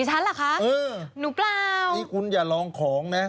ฉันเหรอคะเออหนูเปล่านี่คุณอย่าลองของนะ